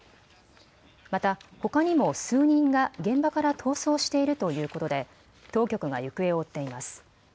また、ほかにも数人が現場から逃走しているということで当局が行方を追っています。